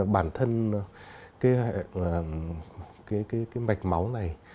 bản thân cái mạch máu này